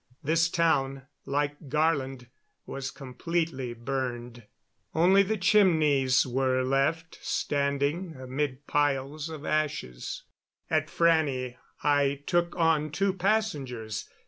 This town, like Garland, was completely burned. Only the chimneys were left standing amid piles of ashes. At Frannie I took on two passengers.